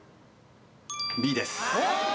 Ｂです